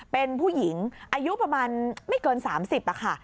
เป็นผู้หญิงอายุประมาณไม่เกิน๓๐ค่ะ